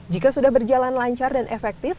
jika sudah berjalan lancar dan efektif